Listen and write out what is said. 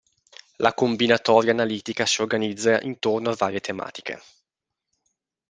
La combinatoria analitica si organizza intorno a varie tematiche.